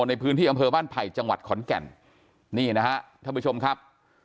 ในพื้นที่อำเภอบ้านไผ่จังหวัดขอนแก่นนี่นะฮะท่านผู้ชมครับ